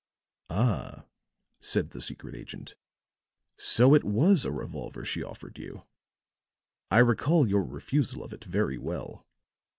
"Ah," said the secret agent, "so it was a revolver she offered you. I recall your refusal of it very well.